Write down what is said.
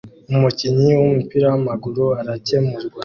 Umukinnyi wumupira wamaguru arakemurwa